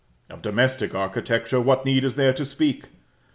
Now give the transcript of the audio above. Of domestic architecture what need is there to speak?